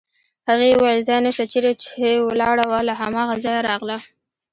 هغې وویل: ځای نشته، چېرې چې ولاړه وه له هماغه ځایه راغله.